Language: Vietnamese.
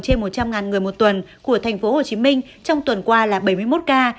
trên một trăm linh người một tuần của tp hcm trong tuần qua là bảy mươi một ca